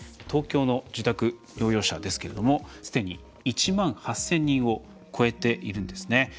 東京の自宅療養者ですけれどもすでに１万８０００人を超えているんですね。